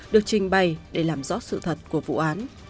được trình bày để làm rõ sự thật của vụ án